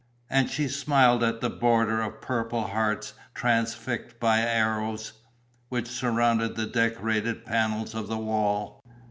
And she smiled at the border of purple hearts transfixed by arrows, which surrounded the decorated panels of the wall.